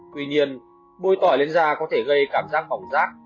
tuy nhiên bôi tỏi lên da có thể gây cảm giác bỏng rác